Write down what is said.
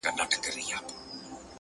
• څو ساعته به په غار کي پټ وو غلی ,